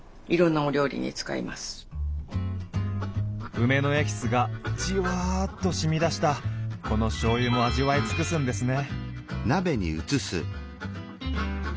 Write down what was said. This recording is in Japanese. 梅のエキスがじわっとしみ出したこのしょうゆも味わい尽くすんですね。